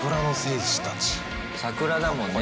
桜だもんね